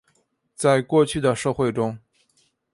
在过去的社会中。